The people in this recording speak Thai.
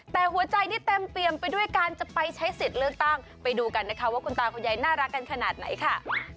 แต่หัวใจนี่เต็มเปรียมไปด้วยการจะไปใช้สิทธิ์เลือกตั้งไปดูกันนะคะว่าคุณตาคุณยายน่ารักกันขนาดไหนค่ะ